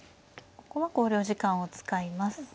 ここは考慮時間を使います。